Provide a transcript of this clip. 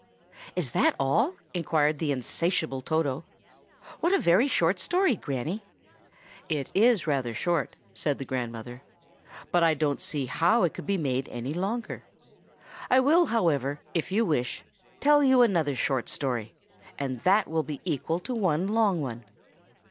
"Is that all?" inquired the insatiable Toto. "What a very short story, Granny!" "It is rather short," said the grandmother; "but I don't see how it could be made any longer. I will, however, if you wish, tell you another short story, and that will be equal to one long one.